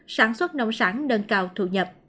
sản xuất nông sản nâng cao thu nhập